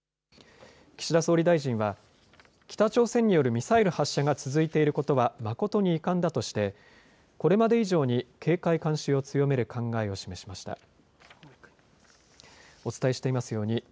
岸田総理大臣は北朝鮮によるミサイル発射が続いていることは誠に遺憾だとしてこれまで以上に警戒監視を強める考えを示しました。